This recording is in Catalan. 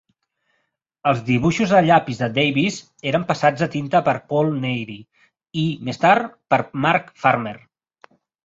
Els dibuixos a llapis de Davis eren passats a tinta per Paul Neary i, més tard, per Mark Farmer.